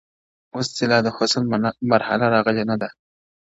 اوس دي لا د حسن مرحله راغلې نه ده’